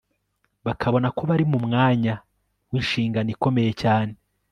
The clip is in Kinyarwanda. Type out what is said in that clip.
bakabona ko bari mu mwanya winshingano ikomeye cyane